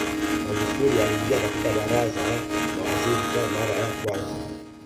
Magufuli aliingia katika Baraza la Mawaziri kwa mara ya kwanza